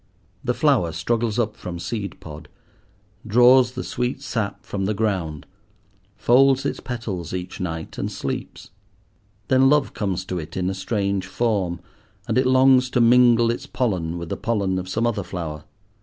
The flower struggles up from seed pod, draws the sweet sap from the ground, folds its petals each night, and sleeps. Then love comes to it in a strange form, and it longs to mingle its pollen with the pollen of some other flower.